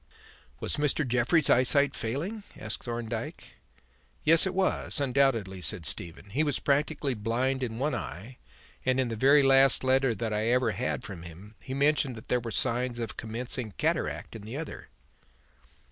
"Was Mr. Jeffrey's eyesight failing?" asked Thorndyke. "Yes, it was, undoubtedly," said Stephen. "He was practically blind in one eye and, in the very last letter that I ever had from him, he mentioned that there were signs of commencing cataract in the other."